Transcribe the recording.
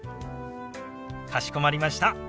かしこまりました。